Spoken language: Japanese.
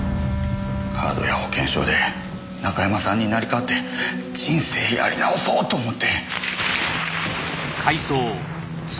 カードや保険証で中山さんに成り代わって人生やり直そうと思って。